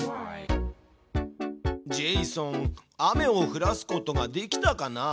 ジェイソン雨を降らすことができたかな？